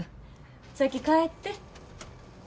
先帰って。